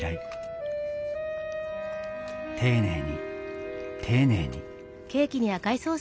丁寧に丁寧に。